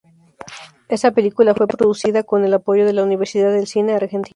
Esta película fue producida con el apoyo de la Universidad del Cine, Argentina.